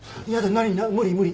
何無理無理。